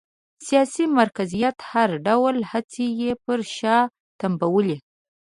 سیاسي مرکزیت هر ډول هڅې یې پر شا تمبولې